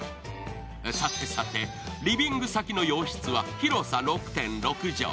さてさてリビング先の洋室は広さ６．６畳。